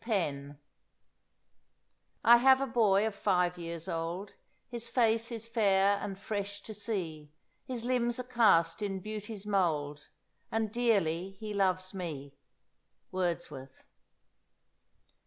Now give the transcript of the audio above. PENN_ "I have a boy of five years old, His face is fair and fresh to see, His limbs are cast in beauty's mould, And dearly he loves me." WORDSWORTH.